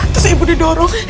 terus ibu didorong